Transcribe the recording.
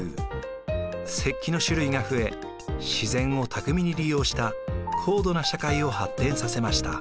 石器の種類が増え自然を巧みに利用した高度な社会を発展させました。